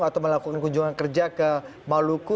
atau melakukan kunjungan kerja ke maluku